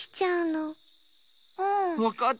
わかった。